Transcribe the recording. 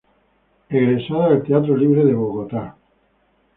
Egresada del Teatro Libre de Bogotá.